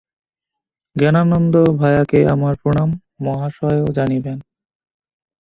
জ্ঞানানন্দ ভায়াকে আমার প্রণাম, মহাশয়ও জানিবেন।